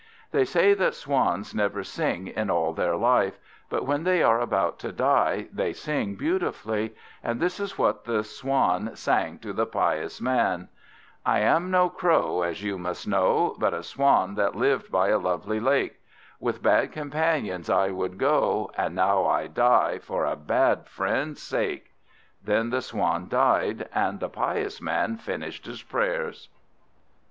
They say that Swans never sing in all their life, but when they are about to die they sing beautifully; and this is what the Swan sang to the pious man: "I am no Crow, as you must know, But a Swan that lived by a lovely lake; With bad companions I would go, And now I die for a bad friend's sake." Then the Swan died, and the pious man finished his prayers.